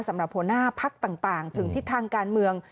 สำหรับหัวหน้าพักต่างถึงทิศทางการเมือง